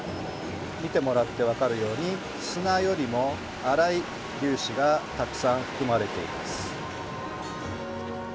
見てもらって分かるように砂よりも粗い粒子がたくさん含まれています。